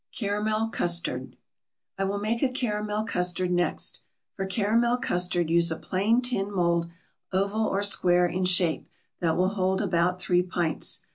CARAMEL CUSTARD. I will make a caramel custard next. For caramel custard use a plain tin mould, oval or square in shape, that will hold about three pints.